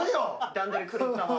段取り狂ったわ。